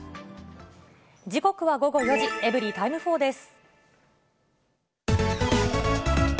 時刻は午後４時、エブリィタイム４です。